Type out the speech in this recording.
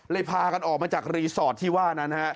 พากันออกมาจากรีสอร์ทที่ว่านั้น